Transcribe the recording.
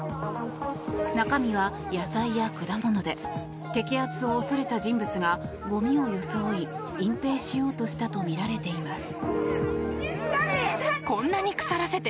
中身は野菜や果物で摘発を恐れた人物がゴミを装い隠ぺいしようとしたとみられています。